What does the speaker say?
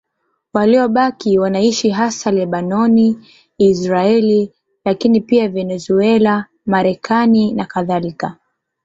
Waliobaki wanaishi hasa Lebanoni, Israeli, lakini pia Venezuela, Marekani nakadhalika.